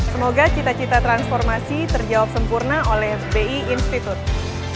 semoga cita cita transformasi terjawab sempurna oleh bi institute